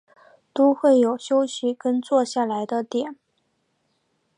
都会有休息跟坐下来的点